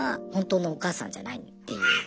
っていう